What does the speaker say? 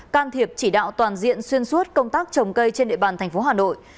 can thiệp chỉ đạo toàn diện xuyên suốt công tác trồng cây trên địa bàn tp hà nội